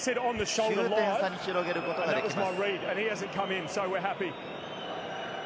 ９点差に広げることができます。